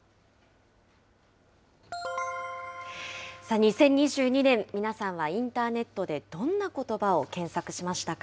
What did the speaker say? ２０２２年、皆さんはインターネットでどんなことばを検索しましたか？